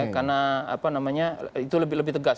karena apa namanya itu lebih lebih tegas